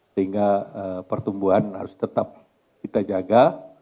sehingga pertumbuhan harus tetap kita jaga